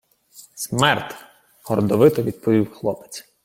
— Смерд! — гордовито відповів хлопець.